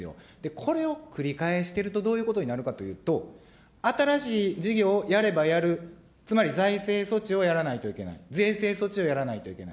これを繰り返しているとどういうことになるかというと、新しい事業をやればやる、つまり財政措置をやらないといけない、税制措置をやらないといけない。